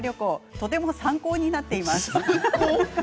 とても参考になっています。